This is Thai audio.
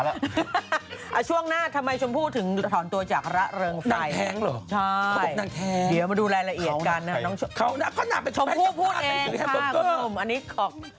เขาน่าจะชมพูดเองค่ะบ่นอันนี้ขอก